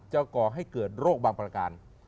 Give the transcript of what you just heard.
ก่อให้เกิดโรคบางประการ